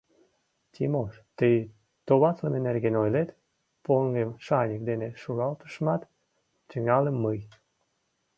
— Тимош, тый товатлыме нерген ойлет, — поҥгым шаньык дене шуралтышымат, Тӱҥальым мый.